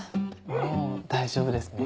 もう大丈夫ですね。